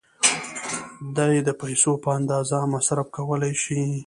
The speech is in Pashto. دوی د پیسو په اندازه مصرف کولای شي.